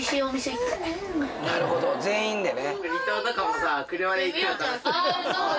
なるほど全員でね。